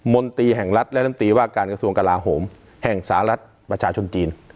นตรีแห่งรัฐและน้ำตีว่าการกระทรวงกลาโหมแห่งสหรัฐประชาชนจีน